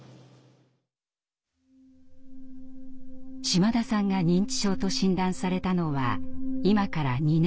島田さんが認知症と診断されたのは今から２年前。